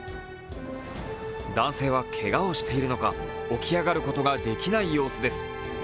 男性はけがをしているのか起き上がることができない様子です。